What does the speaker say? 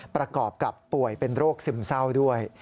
ประกอบกับป่วยเป็นโรคซึมเศร้าด้วย